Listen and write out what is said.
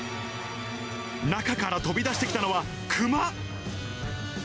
中から飛び出してきたのはクマ。